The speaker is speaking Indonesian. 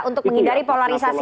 untuk menghindari polarisasi